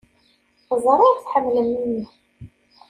Ẓriɣ tḥemmlem-iyi.